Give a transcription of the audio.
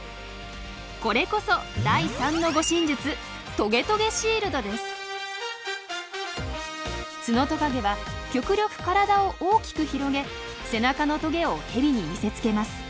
これこそ第３の護身術ツノトカゲは極力体を大きく広げ背中のトゲをヘビに見せつけます。